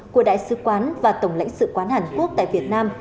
của đại sứ quán và tổng lãnh sự quán hàn quốc tại việt nam